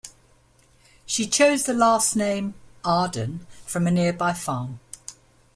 She chose the last name, "Arden", from a nearby farm.